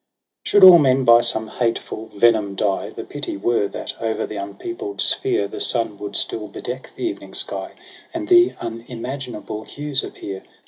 Should all men by some hateful venom die. The pity were that o'er the unpeopl'd sphere The sun would still bedeck the evening sky And the unimaginable hues appear.